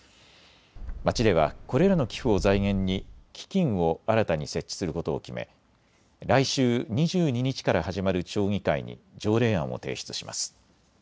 町ではこれらの寄付を財源に基金を新たに設置することを決め、来週２２日から始まる町議会に条例案を提出します。